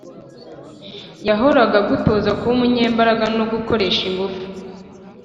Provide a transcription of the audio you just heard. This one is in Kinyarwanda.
yahoraga agutoza kuba umunyembaraga no gukoresha ingufu